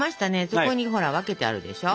そこにほら分けてあるでしょ。